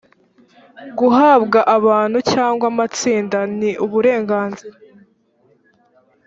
guhabwa abantu cyangwa amatsinda ni uburenganzira